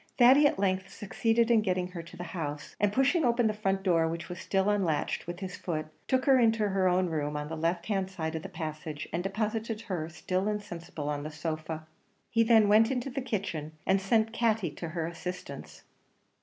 Thady at length succeeded in getting her to the house; and pushing open the front door, which was still unlatched, with his foot, took her into her own room on the left hand side of the passage, and deposited her still insensible on the sofa. He then went into the kitchen, and sent Katty to her assistance.